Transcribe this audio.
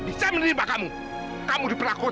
bisa menerima kamu kamu diperlakukan